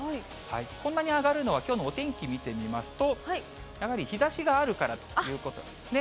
こんなに上がるのは、きょうのお天気見てみますと、やはり日ざしがあるからということなんですね。